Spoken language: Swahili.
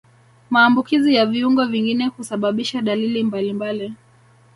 Maambukizi ya viungo vingine husababisha dalili mbalimbali